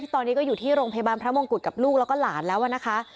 ตอนนี้ก็อยู่ที่โรงพยาบาลพระมงกุฎกับลูกแล้วก็หลานแล้วนะคะ